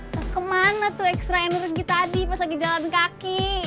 sekemana tuh ekstra energi tadi pas lagi jalan kaki